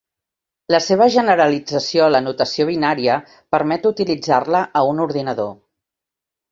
La seva generalització a la notació binària permet utilitzar-la a un ordinador.